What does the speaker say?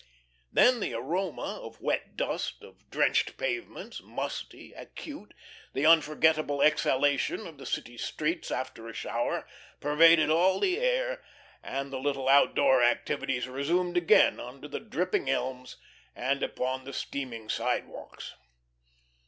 Then the aroma of wet dust, of drenched pavements, musty, acute the unforgettable exhalation of the city's streets after a shower pervaded all the air, and the little out door activities resumed again under the dripping elms and upon the steaming sidewalks.